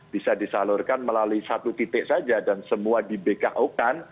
bisa disalurkan melalui satu titik saja dan semua di bko kan